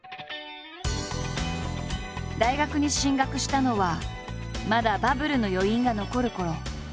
大学に進学したのはまだバブルの余韻が残るころ。